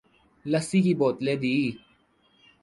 لسی کی بوتلیں دی ۔